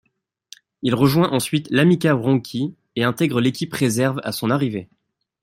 Il rejoint ensuite l'Amica Wronki et intègre l'équipe réserve à son arrivée.